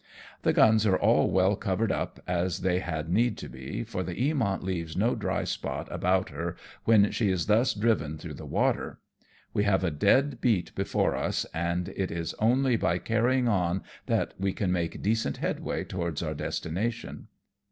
The guns are all well covered up, as they had need to be, for the Eamont leaves no dry spot about her when she is thus driven through the water. We have a dead beat before us, and it is only by carrying on that we can make decent headway towards our destination.